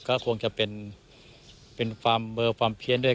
ก็คงจะเป็นเบอร์เพี้ยนด้วย